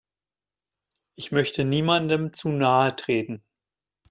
Ich möchte niemandem zu nahe treten.